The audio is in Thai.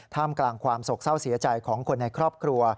ท่ามกลางความโศกเศร้าเสียใจของคนในครอบครัว